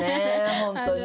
本当に。